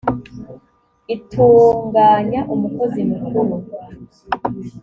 itunganya umukozi mukuru